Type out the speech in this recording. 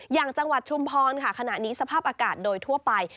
อย่างจังหวัดชุมพรค่ะขณะนี้สภาพอากาศโดยทั่วไป